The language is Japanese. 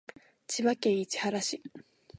千葉県市原市